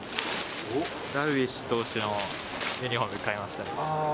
ダルビッシュ投手のユニホーム買いましたね。